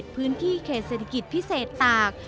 พื้นที่เขตเศรษฐกิจพิเศษตาก